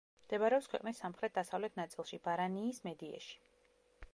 მდებარეობს ქვეყნის სამხრეთ-დასავლეთ ნაწილში, ბარანიის მედიეში.